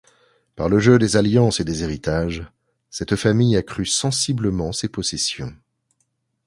Par le jeu des alliances et des héritages, cette famille accrut sensiblement ses possessions.